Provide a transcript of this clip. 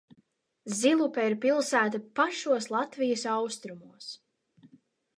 Zilupe ir pilsēta pašos Latvijas austrumos.